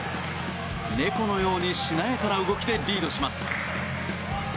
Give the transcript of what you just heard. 猫のようにしなやかな動きでリードします。